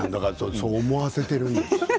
そう思わせているんです。